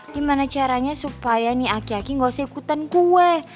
gimana caranya supaya nih aki aki gak usah ikutan kue